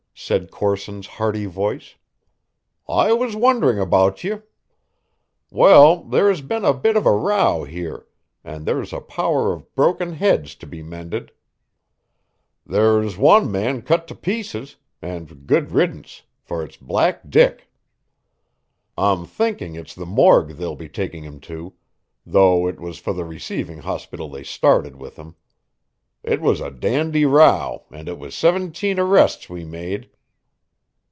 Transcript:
said Corson's hearty voice. "I was wondering about ye. Well, there has been a bit of a row here, and there's a power of broken heads to be mended. There's wan man cut to pieces, and good riddance, for it's Black Dick. I'm thinking it's the morgue they'll be taking him to, though it was for the receiving hospital they started with him. It was a dandy row, and it was siventeen arrists we made."